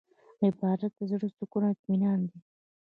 عبادت د زړه سکون او اطمینان دی.